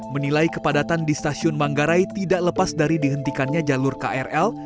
menilai kepadatan di stasiun manggarai tidak lepas dari dihentikannya jalur krl